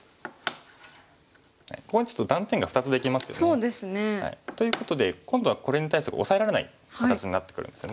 ここにちょっと断点が２つできますよね。ということで今度はこれに対してオサえられない形になってくるんですよね。